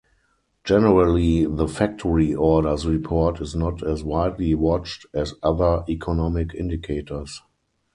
Generally the Factory Orders report is not as widely watched as other economic indicators.